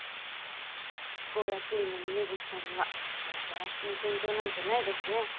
執行役員の峰岸さんにはもうガラスの天井なんてないですね。